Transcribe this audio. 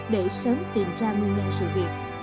để sớm tìm ra nguyên nhân sự việc